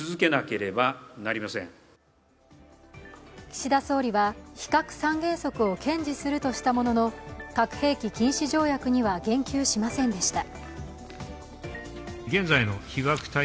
岸田総理は非核三原則を堅持するとしたものの核兵器禁止条約には言及しませんでした。